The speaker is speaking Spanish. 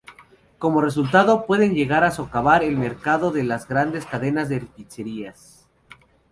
Como resultado, pueden llegar a socavar el mercado de las grandes cadenas de pizzerías.